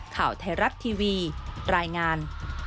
ข่าวเทรัตน์ทีวีรายงาน